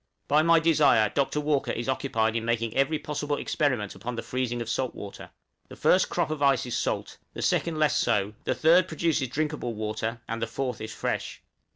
By my desire Dr. Walker is occupied in making every possible experiment upon the freezing of salt water; the first crop of ice is salt, the second less so, the third produces drinkable water, and the fourth is fresh.